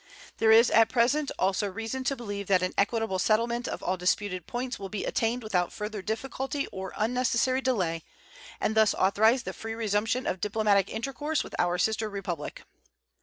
There is at present also reason to believe that an equitable settlement of all disputed points will be attained without further difficulty or unnecessary delay, and thus authorize the free resumption of diplomatic intercourse with our sister Republic.